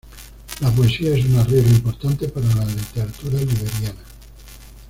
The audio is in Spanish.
La poesía es una regla importante para la literatura Liberiana.